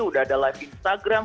udah ada live instagram